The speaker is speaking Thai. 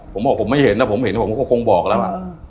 ผมบอกผมไม่เห็นนะผมเห็นผมก็คงบอกแล้ว